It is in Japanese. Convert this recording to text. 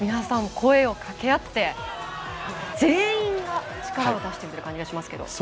声をかけ合って全員が力を出している感じがしました。